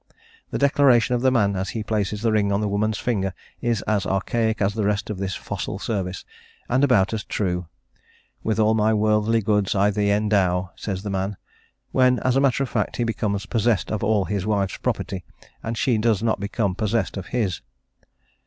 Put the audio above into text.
The declaration of the man as he places the ring on the woman's finger is as archaic as the rest of this fossil service, and about as true: "With all my worldly goods I thee endow," says the man, when, as a matter of fact, he becomes possessed of all his wife's property and she does not become possessed of his.